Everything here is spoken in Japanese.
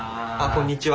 こんにちは。